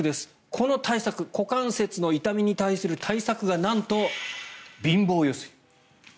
この対策、股関節の痛みに対する対策がなんと貧乏揺すり。